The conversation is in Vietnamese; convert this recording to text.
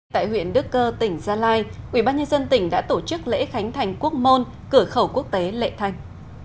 tại huyện đức cơ tỉnh gia lai ubnd tỉnh đã tổ chức lễ khánh thành quốc môn cửa khẩu quốc tế lệ thành